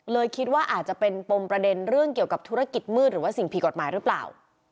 คิดว่าอาจจะเป็นปมประเด็นเรื่องเกี่ยวกับธุรกิจมืดหรือว่าสิ่งผิดกฎหมายหรือเปล่า